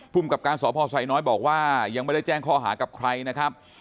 กับการสพไซน้อยบอกว่ายังไม่ได้แจ้งข้อหากับใครนะครับ